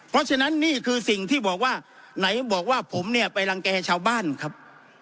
เพราะฉะนั้นนี่คือสิ่งที่บอกว่าไหนบอกว่าผมเนี่ยไปรังแก่ชาวบ้านครับ